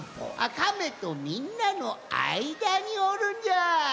カメとみんなのあいだにおるんじゃ！